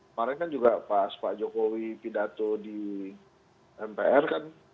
kemarin kan juga pas pak jokowi pidato di mpr kan